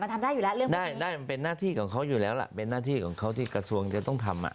มันทำได้อยู่แล้วได้มันเป็นหน้าที่ของเขาอยู่แล้วล่ะเป็นหน้าที่ของเขาที่กระทรวงจะต้องทำ